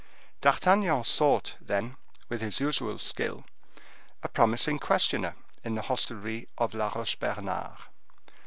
D'Artagnan sought, then, with his usual skill, a promising questioner in the hostelry of La Roche Bernard.